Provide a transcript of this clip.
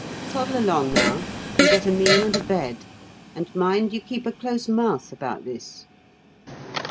Toddle along now and get a meal and a bed. And mind you keep a close mouth about this."